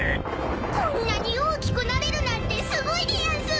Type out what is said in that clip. ［こんなに大きくなれるなんてすごいでやんす！